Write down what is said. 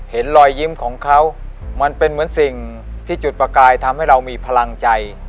เห็นรอยยิ้มของเขามันเป็นเหมือนสิ่งที่จุดประกายทำให้เรามีพลังใจ